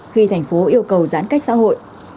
khi thành phố yêu cầu giãn cách xã hội